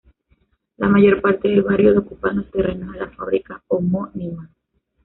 La mayor parte del barrio lo ocupan los terrenos de la fábrica homónima.